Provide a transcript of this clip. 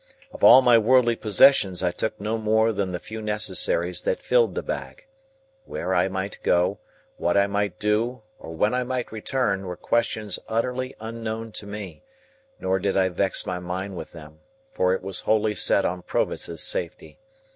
Of all my worldly possessions I took no more than the few necessaries that filled the bag. Where I might go, what I might do, or when I might return, were questions utterly unknown to me; nor did I vex my mind with them, for it was wholly set on Provis's safety.